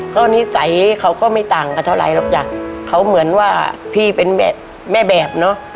ก็นิสัยเขาก็ไม่ต่างกันเท่าไรหรอกจ้ะเขาเหมือนว่าพี่เป็นแบบแม่แบบเนอะ